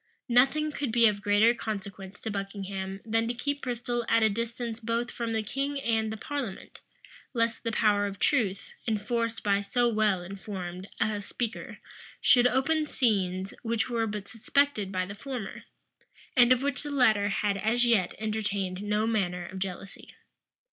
Nothing could be of greater consequence to Buckingham than to keep Bristol at a distance both from the king and the parliament; lest the power of truth, enforced by so well informed a speaker, should open scenes which were but suspected by the former, and of which the latter had as yet entertained no manner of jealousy.